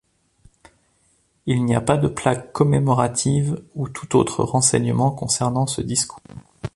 Il n'y a pas de plaque commémorative ou tout autre renseignement concernant ce discours.